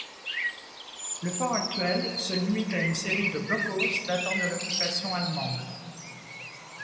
Le fort actuel se limite à une série de blockhaus datant de l'occupation allemande.